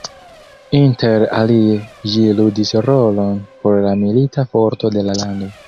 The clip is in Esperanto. Interalie ĝi ludis rolon por la milita forto de la lando.